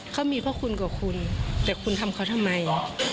เขามีพระคุณกับคุณแต่คุณทำเขาทำไม